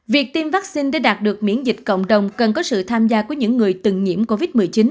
việc tiêm vaccine để đạt được miễn dịch cộng đồng cần có sự tham gia của những người từng nhiễm covid một mươi chín